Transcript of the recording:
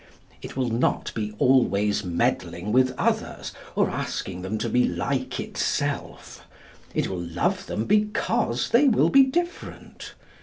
It will not be always meddling with others, or asking them to be like itself. It will love them because they will be different.